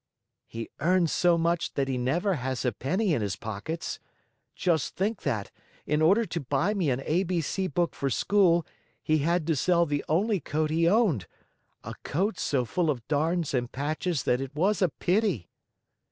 "He earns so much that he never has a penny in his pockets. Just think that, in order to buy me an A B C book for school, he had to sell the only coat he owned, a coat so full of darns and patches that it was a pity."